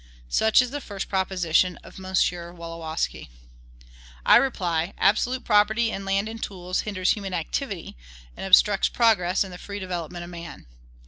Such is the first proposition of M. Wolowski. I reply: Absolute property in land and tools hinders human activity, and obstructs progress and the free development of man.